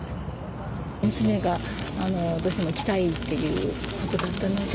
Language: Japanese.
娘がどうしても来たいということだったので。